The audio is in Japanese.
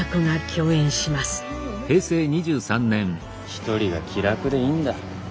一人が気楽でいいんだ。